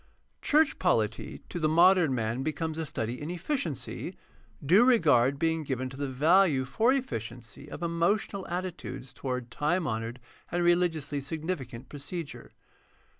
— Church polity to the modem man becomes a study in efficiency, due regard being given to the value for efficiency of emotional attitudes toward time honored and religiously significant procedure.